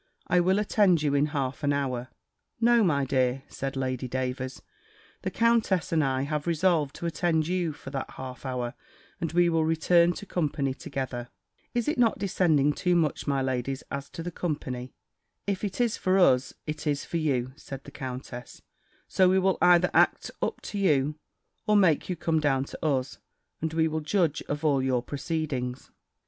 I will attend you in half an hour." "No, my dear," said Lady Davers, "the countess and I have resolved to attend you for that half hour, and we will return to company together." "Is it not descending too much, my ladies, as to the company?" "If it is for us, it is for you," said the countess; "so we will either act up to you, or make you come down to us; and we will judge of all your proceedings."